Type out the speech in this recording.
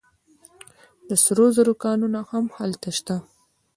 د سرو زرو کانونه هم هلته شته.